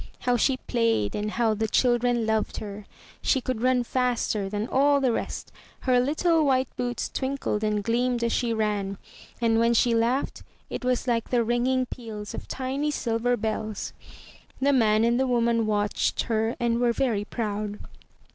How she played and how the children loved her. She could run faster than all the rest. Her little white boots twinkled and gleamed as she ran, and when she laughed, it was like the ringing peals of tiny silver bells. The man and the woman watched her and were very proud.